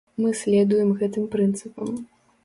Мы следуем гэтым прынцыпам.